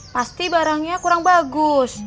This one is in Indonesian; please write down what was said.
pasti barangnya kurang bagus